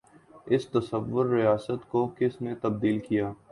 اس تصور ریاست کو کس نے تبدیل کیا؟